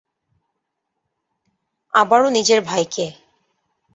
আবারও নিজের ভাইকে।